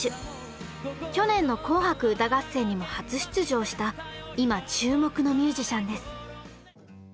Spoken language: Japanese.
去年の「紅白歌合戦」にも初出場した今注目のミュージシャンです。